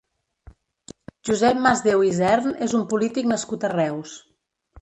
Josep Masdeu Isern és un polític nascut a Reus.